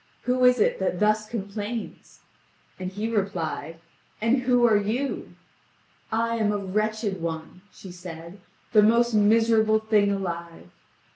Who is it that thus complains?" And he replied: "And who are you?" "I am a wretched one," she said, "the most miserable thing alive."